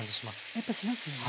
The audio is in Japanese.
やっぱしますよね。